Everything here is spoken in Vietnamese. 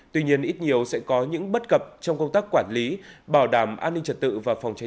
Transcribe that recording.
tuy nhiên ít nhiều sẽ có những bất cập trong công tác quản lý bảo đảm an ninh trật tự và phòng cháy